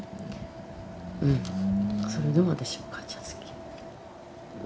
うん「それでも私お母ちゃん好きや」。